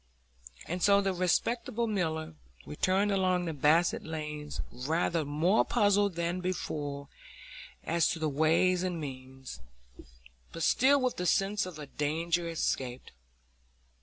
And so the respectable miller returned along the Basset lanes rather more puzzled than before as to ways and means, but still with the sense of a danger escaped.